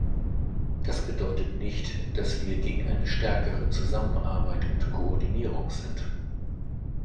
Das bedeutet nicht, dass wir gegen eine stärkere Zusammenarbeit und Koordinierung sind.